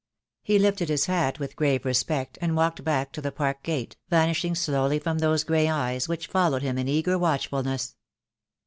He lifted his hat with grave respect and walked back to the park gate, vanishing slowly from those grey eyes which followed him in eager watchfulness.